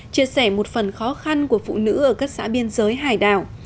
chia sẻ một phần khó khăn của phụ nữ ở các xã biên giới hải đảo